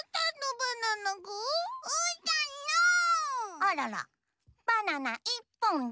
あららバナナいっぽんだ。